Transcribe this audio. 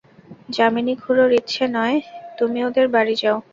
যামিনী খুড়োর ইচ্ছে নয় তুমি ওদের বাড়ি যাও।